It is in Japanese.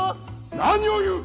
何を言う！